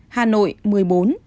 hà nội một mươi bốn